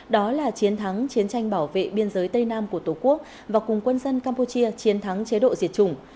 đó là chiến thắng chiến tranh bảo vệ biên giới tây nam của tổ quốc và cùng quân dân campuchia chiến thắng chế độ diệt chủng